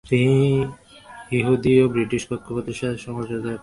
তিনি ইহুদি ও ব্রিটিশ কর্তৃপক্ষের সাথে সমঝোতার পক্ষে ছিলেন।